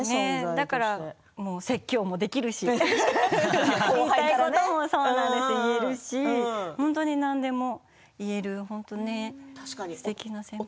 だから説教もできるし言いたいことも言えるし本当に何でも言えるすてきな先輩です。